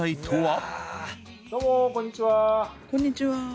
どうもこんにちは。